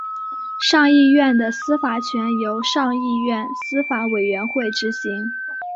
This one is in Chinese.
上议院的司法权由上议院司法委员会执行。